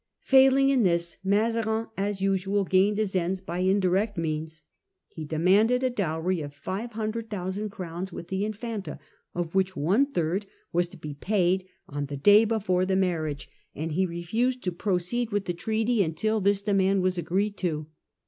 Failing in this, Mazarin as usual gained his ends by indirect means. He demanded a dowry of 500,000 crowns with the Infanta, of which one third was to be paid on the day before the marriage, and he refused to proceed with the treaty until this demand was agreed to.